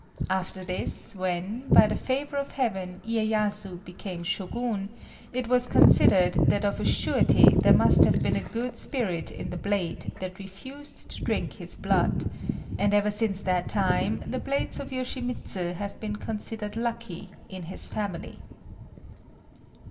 After this, when, by the favour of Heaven, Iyéyasu became Shogun, it was considered that of a surety there must have been a good spirit in the blade that refused to drink his blood; and ever since that time the blades of Yoshimitsu have been considered lucky in his family.